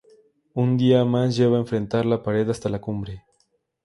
Un día más lleva a enfrentar la pared hasta la cumbre.